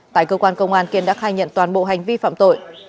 tại cơ quan công an kiên đã khai nhận toàn bộ hành vi phạm tội